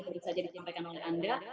baru saja ditimpaikan oleh anda